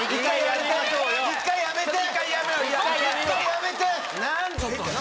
１回やめて！